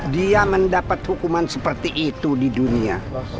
dia mendapat hukuman seperti itu di dunia